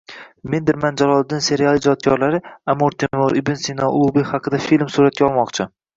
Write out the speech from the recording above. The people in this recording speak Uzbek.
«Mendirman Jaloliddin» seriali ijodkorlari Amir Temur, Ibn Sino, Ulug‘bek haqida film suratga olmoqchi